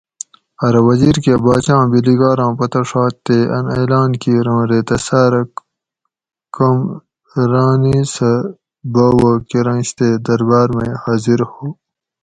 ارو وزیر کہ باچاں بِلیگاراں پتہ ڛات تے ان اعلان کیر اوں ریتہ ساۤرہ کم رانی سہ باوہ کرنش تے درباۤر مئی حاضر ہو